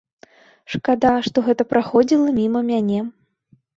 Шкада, што гэта праходзіла міма мяне.